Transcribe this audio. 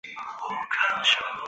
江西乡试第二十五名。